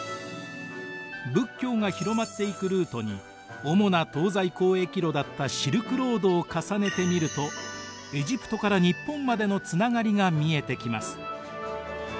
仏教が広まっていくルートに主な東西交易路だったシルクロードを重ねてみるとエジプトから日本までのつながりが見えてきます。